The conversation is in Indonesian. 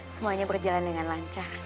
semuanya berjalan dengan lancar